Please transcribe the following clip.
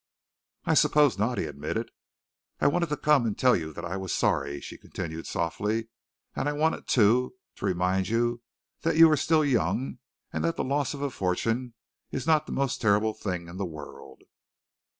"I suppose not," he admitted. "I wanted to come and tell you that I was sorry," she continued softly, "and I wanted, too, to remind you that you are still young, and that the loss of a fortune is not the most terrible thing in the world.